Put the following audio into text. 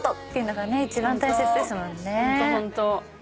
ホントホント。